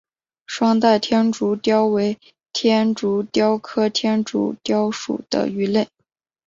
双带天竺鲷为天竺鲷科天竺鲷属的鱼类。